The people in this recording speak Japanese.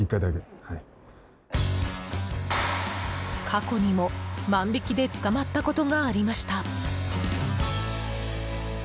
過去にも万引きで捕まったことがありました。